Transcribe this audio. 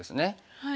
はい。